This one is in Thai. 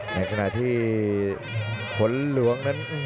ในขณะที่ผลหลวงนั้น